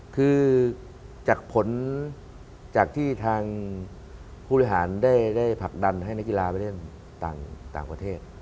คือจากผลจากที่ทางผู้บริหารได้ผลักดันให้นักกีฬาไปเล่นต่างประเทศ